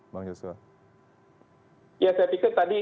ya saya pikir tadi terkait dengan saham saham teknologi